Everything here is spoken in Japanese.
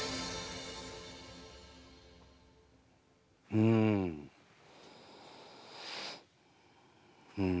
うんうん。